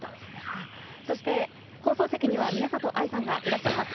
１そして、放送席には宮里藍さんがいらっしゃいます。